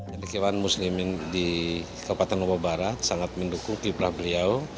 kian muslimin di kabupaten lombok barat sangat mendukung kiprah beliau